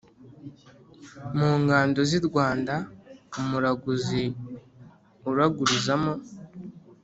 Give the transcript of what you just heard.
mungando zirwanda umuraguzi uragurizamo